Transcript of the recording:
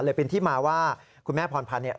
เลยเป็นที่มาว่าคุณแม่พรพันธ์เนี่ย